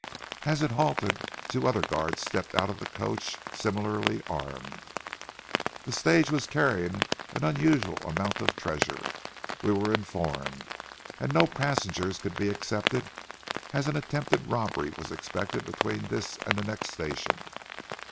As it halted, two other guards stepped out of the coach, similarly armed. The stage was carrying an unusual amount of treasure, we were informed, and no passengers could be accepted, as an attempted robbery was expected between this and the next station.